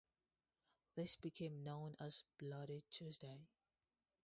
This became known as "Bloody Tuesday".